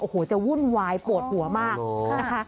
โอ้โหจะวุ่นวายปวดหัวมากนะคะ